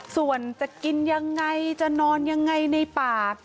ส่วนจะกินยังไงจะนอนยังไงในป่า